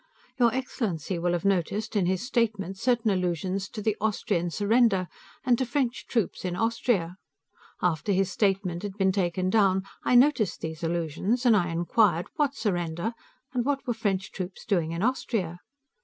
Your excellency will have noticed, in his statement, certain allusions to the Austrian surrender, and to French troops in Austria. After his statement had been taken down, I noticed these allusions, and I inquired, what surrender, and what were French troops doing in Austria.